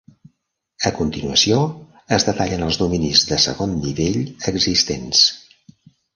A continuació, es detallen els dominis de segon nivell existents.